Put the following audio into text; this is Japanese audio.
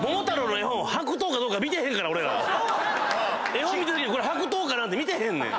絵本見てるときに白桃かな？って見てへんねん！